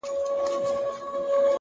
مهرباني د خاموش نفوذ ځواک لري.!